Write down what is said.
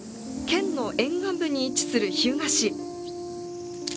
県の沿岸部に位置する日向市。